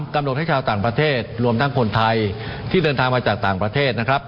ให้ชาวต่างประเทศรวมทั้งคนไทยที่เดินทางมาจากต่างประเทศนะครับ